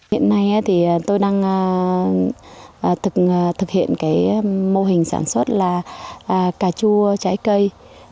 hiện nay tôi đang thực hiện mô hình sản xuất là cà chua trái cây